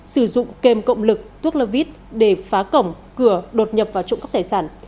sử dụng kềm cộng lực tuốc lơ vít để phá cổng cửa đột nhập vào trộm cắp tài sản